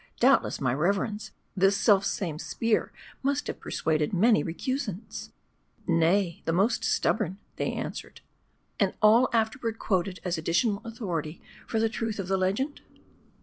" Doubtless, my reverends, this self same spear must have persuaded many recusants !" "Nay, the' most stubborn," they answered. 320 M A R D I. " And all afterward quoted as additional authority for the truth of the legend